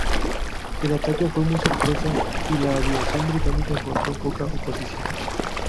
El ataque fue muy sorpresa, y la aviación británica encontró poca oposición.